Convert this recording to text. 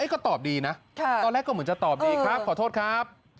ก็ตอบดีนะตอนแรกก็เหมือนจะตอบดีครับขอโทษครับ